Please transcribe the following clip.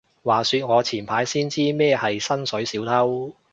話說我前排先知咩係薪水小偷